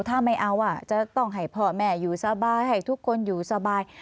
ถ้าไม่เอาจะต้องให้พ่อแม่อยู่สบายให้ทุกคนอยู่สบาย